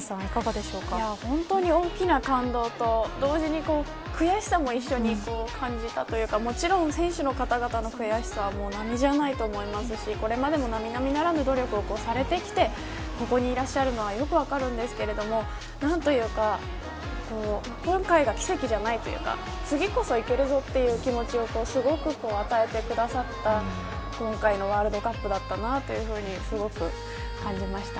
本当に大きな感動と同時に悔しさも一緒に感じたというかもちろん選手の方々の悔しさは並みじゃないと思いますしこれまでも並々ならぬ努力をされてきてここにいらっしゃるのはよく分かるんですけど何というか今回が奇跡じゃないというか次こそいけるぞという気持ちをすごく与えてくださった今回のワールドカップだったなとすごく感じました。